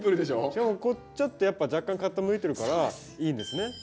しかもこうちょっとやっぱ若干傾いてるからいいんですね。